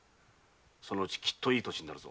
そのうちきっと良い土地になるぞ。